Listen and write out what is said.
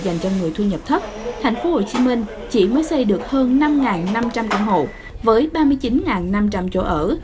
dành cho người thu nhập thấp tp hcm chỉ mới xây được hơn năm năm trăm linh căn hộ với ba mươi chín năm trăm linh chỗ ở